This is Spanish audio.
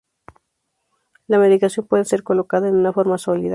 La medicación puede ser colocada en una forma sólida.